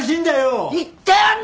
言ってやんな！